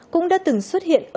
cũng đã từng xuất hiện